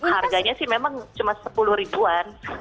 harganya sih memang cuma sepuluh ribuan